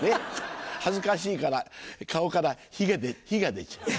恥ずかしいから顔から火が出ちゃう。